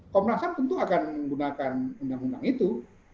komnas ham tentu akan menggunakan undang undang itu